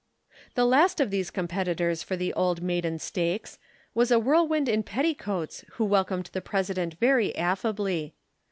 The last of these competitors for the Old Maiden Stakes was a whirlwind in petticoats who welcomed the President very affably.